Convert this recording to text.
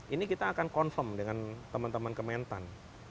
ini kita akan confirm dengan teman teman kementan